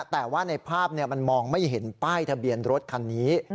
แต่ว่าในภาพมันมองไม่เห็นป้ายทะเบียนรถคันนี้